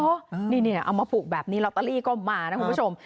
นี่เอามาปลูกแบบนี้ลอตเตอรี่ก็มานะคุณผู้ชม